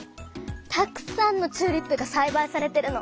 たくさんのチューリップがさいばいされてるの。